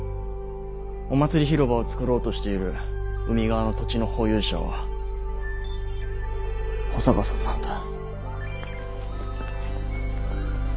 お祭り広場を作ろうとしている海側の土地の保有者は保坂さんなんだ。